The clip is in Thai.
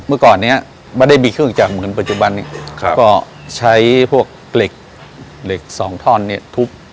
เมื่อก่อนเนี้ยไม่ได้มีเครื่องจักรเหมือนปัจจุบันนี้ก็ใช้พวกเหล็กเหล็กสองท่อนเนี่ยทุบ